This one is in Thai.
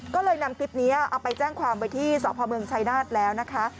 ก็เลยนำคลิปนี้เอาไปแจ้งความไว้ที่สพเมืองชายนาฏแล้วนะคะ